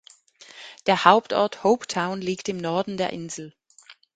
Der Hauptort Hope Town liegt im Norden der Insel.